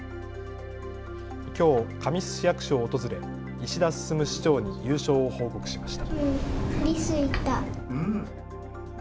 きょう神栖市役所を訪れ石田進市長に優勝を報告しました。